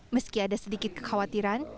meski ada sedikit kekhawatiran